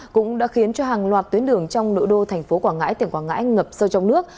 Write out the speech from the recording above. cũng đã khiến cho hàng loạt tuyến đường trong nội đô thành phố quảng ngãi tỉnh quảng ngãi ngập sâu trong nước